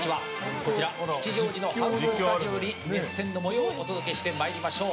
こちら吉祥寺のハウススタジオで熱戦の模様をお届けしてまいりましょう。